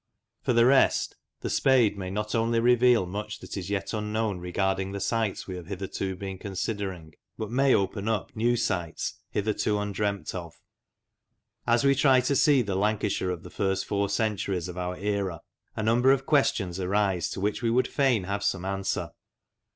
For the rest, the spade may not only reveal much that is yet unknown regarding the sites we have been considering, but may open up new sites hitherto undreamt of. As we try to see the Lancashire of the first four centuries of our era, a number of questions arise to which we would fain have some answer.